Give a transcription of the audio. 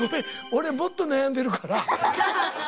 俺もっと悩んでるから。